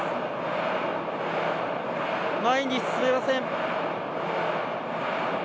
前に進めません。